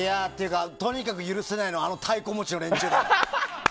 とにかく許せないのはあの太鼓持ちの連中だよ。